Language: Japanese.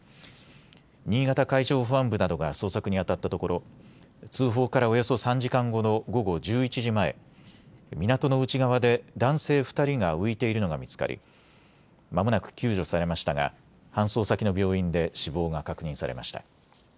新潟海上保安部などが捜索にあたったところ通報からおよそ３時間後の午後１１時前、港の内側で男性２人が浮いているのが見つかりまもなく救助されましたが搬送先の病院で死亡が確認されました。